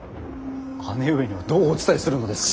姉上にはどうお伝えするのですか。